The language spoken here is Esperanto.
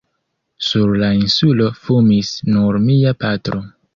Sur la Insulo fumis nur mia patro.